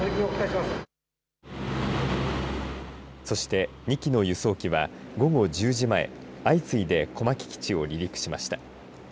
そして２機の輸送機は午後１０時前相次いで小牧基地を離陸しました。